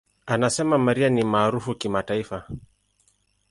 Anasema, "Mariah ni maarufu kimataifa.